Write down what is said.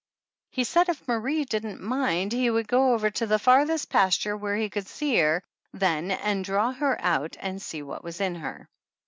He said if Marie didn't mind he would go over to the farthest pasture where he could see her then and draw her out to see what was m her!